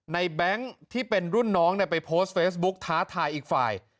แบงค์ที่เป็นรุ่นน้องไปโพสต์เฟซบุ๊กท้าทายอีกฝ่าย